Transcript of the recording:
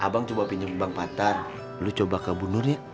abang coba pinjem bank pantar lo coba ke bu nur ya